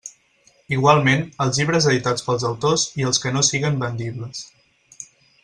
Igualment, els llibres editats pels autors i els que no siguen vendibles.